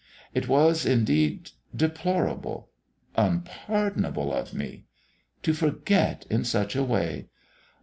It was indeed ... deplorable ... unpardonable of me ... to forget in such a way.